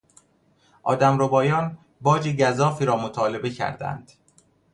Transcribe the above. آدمربایان باج گزافی را مطالبه کردند.